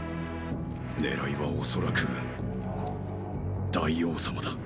狙いは恐らくーー大王様だ。